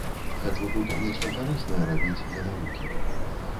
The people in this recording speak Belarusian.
Хачу тут нешта карыснае рабіць для навукі.